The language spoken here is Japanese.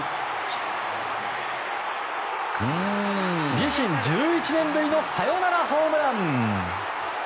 自身１１年ぶりのサヨナラホームラン。